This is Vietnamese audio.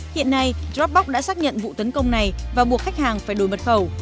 hiện nay jobbock đã xác nhận vụ tấn công này và buộc khách hàng phải đổi mật khẩu